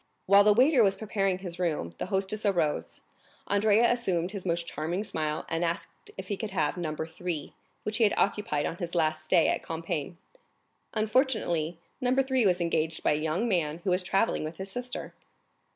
While the waiter was preparing his room, the hostess arose; Andrea assumed his most charming smile, and asked if he could have No. 3, which he had occupied on his last stay at Compiègne. Unfortunately, No. 3 was engaged by a young man who was travelling with his sister.